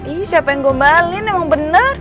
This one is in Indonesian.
ih siapa yang gombalin emang bener